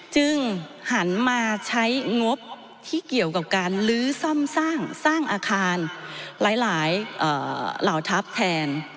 หันมาใช้งบที่เกี่ยวกับการลื้อซ่อมสร้างอาคารหลายเหล่าทัพแทน